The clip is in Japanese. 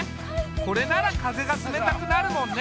これなら風が冷たくなるもんね。